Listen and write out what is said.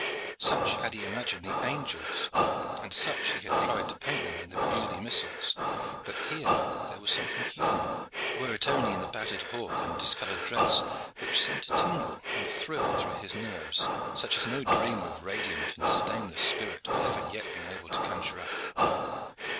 Such had he imagined the angels, and such he had tried to paint them in the Beaulieu missals; but here there was something human, were it only in the battered hawk and discolored dress, which sent a tingle and thrill through his nerves such as no dream of radiant and stainless spirit had ever yet been able to conjure up.